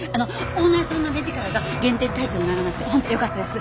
オーナーさんの目力が減点対象にならなくて本当よかったです。